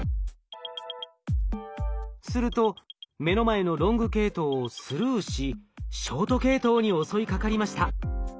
すると目の前のロング系統をスルーしショート系統に襲いかかりました。